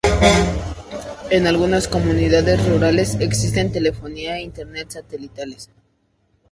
En algunas comunidades rurales existen telefonía e Internet satelitales.